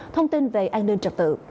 thông tin về an ninh trật tự